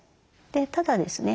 ただですね